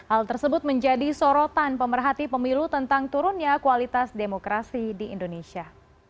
hal tersebut menjadi sorotan pemerhati pemilu tentang turunnya kualitas demokrasi di indonesia